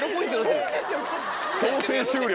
強制終了。